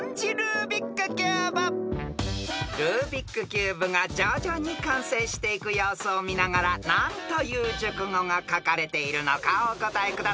［ルービックキューブが徐々に完成していく様子を見ながら何という熟語が書かれているのかお答えください］